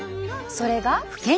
それが。